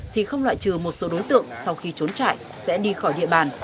thì không loại trừ một số đối tượng sau khi trốn chạy sẽ đi khỏi địa bàn